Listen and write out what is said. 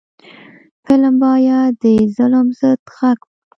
فلم باید د ظلم ضد غږ وي